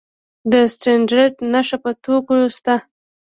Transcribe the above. د سټنډرډ نښه په توکو شته؟